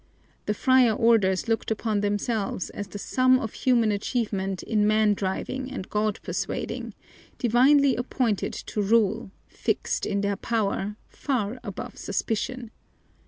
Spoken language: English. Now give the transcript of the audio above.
The friar orders looked upon themselves as the sum of human achievement in man driving and God persuading, divinely appointed to rule, fixed in their power, far above suspicion.